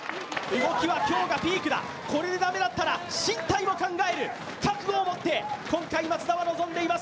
今日がピークだ、これで駄目だったら進退を考える覚悟をもって今回松田は臨んでいます。